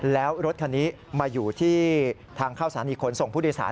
แล้วรถคันนี้มาอยู่ที่ทางเข้าสานิขนส่งพุทธศาสตร์